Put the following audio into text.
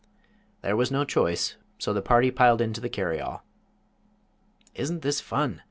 There was no choice, so the party "piled" into the carryall. "Isn't this fun?"